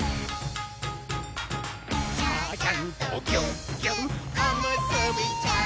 「ちゃちゃんとぎゅっぎゅっおむすびちゃん」